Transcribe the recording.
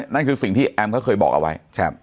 นั่นคือสิ่งที่แอมเขาเคยบอกเอาไว้